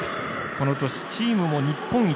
この年チームも日本一。